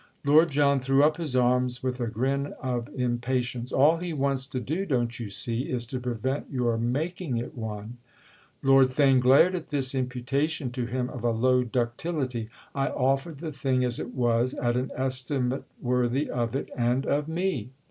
Lord John threw up his arms with a grin of impatience. "All he wants to do, don't you see? is to prevent your making it one!" Lord Theign glared at this imputation to him of a low ductility. "I offered the thing, as it was, at an estimate worthy of it—and of me."